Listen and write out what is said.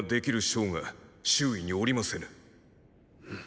将が周囲におりませぬ。